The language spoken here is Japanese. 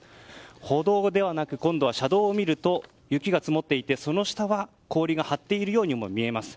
歩道ではなく車道を見ると雪が積もっていて、その下は氷が張っているようにも見えます。